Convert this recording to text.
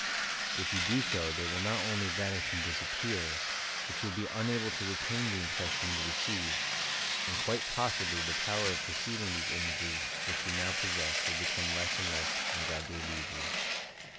If you do so they will not only vanish and disappear, but you will be unable to retain the impression you receive and, quite possibly, the power of perceiving these images, which you now possess, will become less and less and gradually leave you.